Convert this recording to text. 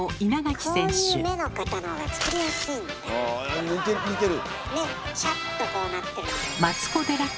あ似てる！